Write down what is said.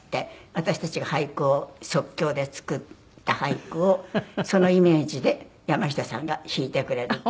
私たちが俳句を即興で作った俳句をそのイメージで山下さんが弾いてくれるって。